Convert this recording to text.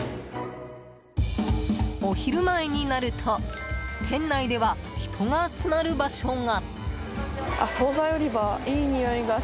お昼前になると、店内では人が集まる場所が。